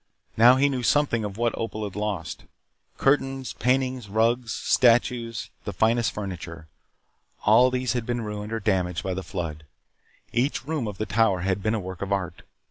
Now he knew something of what Opal had lost. Curtains, paintings, rugs, statues, the finest furniture. All these had been ruined or damaged by the flood. Each room of the Tower had been a work of art.